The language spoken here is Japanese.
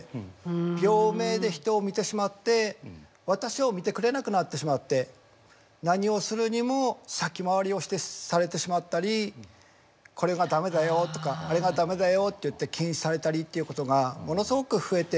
病名で人を見てしまって私を見てくれなくなってしまって何をするにも先回りをしてされてしまったりこれが駄目だよとかあれが駄目だよっていって禁止されたりっていうことがものすごく増えて。